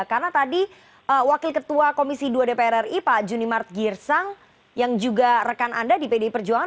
karena tadi wakil ketua komisi dua dpr ri pak junimart girsang yang juga rekan anda di pdi perjuangan